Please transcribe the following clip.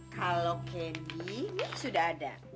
kalau candy sudah ada